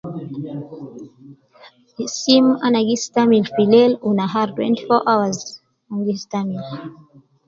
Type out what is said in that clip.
Sim ana gistamil filel unahar twenty four hours ana gistamil